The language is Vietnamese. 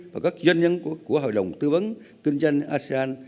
và các doanh nhân của hội đồng tư vấn kinh doanh asean